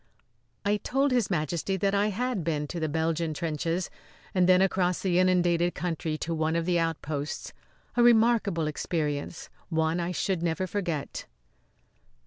I told His Majesty that I had been to the Belgian trenches, and then across the inundated country to one of the outposts; a remarkable experience one I should never forget.